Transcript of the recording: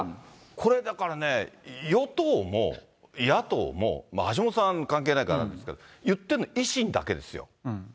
これだからね、与党も野党も、橋下さん関係ないからですけど、言ってるの維新だけですよ。